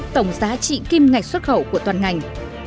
tổng giá trị kim ngạch xuất khẩu của toàn ngành